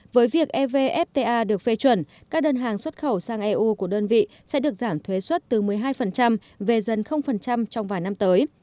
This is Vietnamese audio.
với việc evfta được phê chuẩn các đơn hàng xuất khẩu sang eu của đơn vị sẽ được giảm thuế xuất từ một mươi hai về dân trong vài năm tới